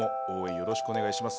よろしくお願いします。